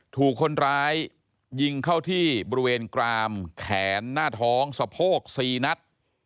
ถูกคนร้ายยิงเข้าที่บริเวณกรามแขนหน้าท้องสะโพก๔นัด